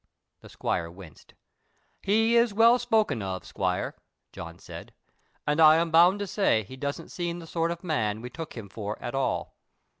The squire winced. "He is well spoken of, squire," John said, "and I am bound to say he doesn't seem the sort of man we took him for at all.